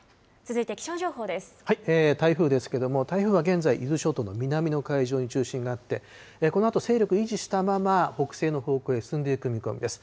台風ですけども、台風は現在、伊豆諸島の南の海上に中心があって、このあと勢力を維持したまま、北西の方向へ進んでいく見込みです。